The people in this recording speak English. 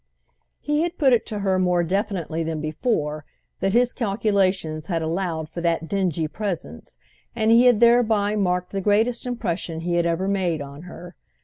He had put it to her more definitely than before that his calculations had allowed for that dingy presence, and he had thereby marked the greatest impression he had ever made on her.